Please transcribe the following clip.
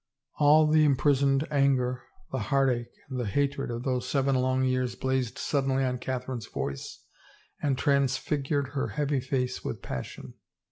All the imprisoned anger, the heartache and the hatred of those seven long years blazed suddenly on Catherine's voice and transfigured her heavy face with passion.